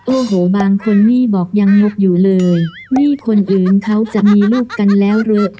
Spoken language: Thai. โอ้โหบางคนนี่บอกยังลุกอยู่เลยนี่คนอื่นเขาจะมีลูกกันแล้วหรือ